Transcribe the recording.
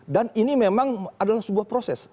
ini memang adalah sebuah proses